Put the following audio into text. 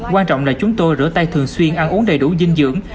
quan trọng là chúng tôi rửa tay thường xuyên ăn uống đầy đủ dinh dưỡng